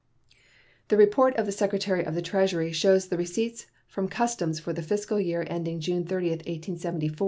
The report of the Secretary of the Treasury shows the receipts from customs for the fiscal year ending June 30, 1874, to have been $163,103,833.